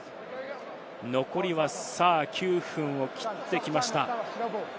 残りは９分を切ってきました。